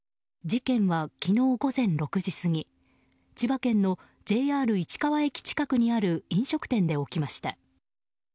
事件は昨日午前６時過ぎ千葉県のＪＲ市川駅近くにある飲食店で起きました。